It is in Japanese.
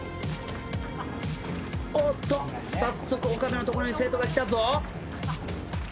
おっと早速岡部のところに生徒が来たぞ。